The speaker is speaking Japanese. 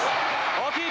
大きい！